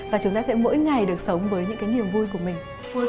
và chúng ta sẽ mỗi ngày được sống với những cái niềm vui của mình